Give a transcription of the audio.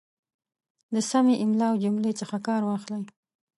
د سمې املا او جملې څخه کار واخلئ